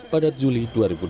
pada juli dua ribu delapan belas